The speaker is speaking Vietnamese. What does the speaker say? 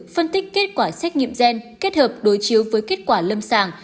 phân tích kết quả xét nghiệm gen kết hợp đối chiếu với kết quả lâm sàng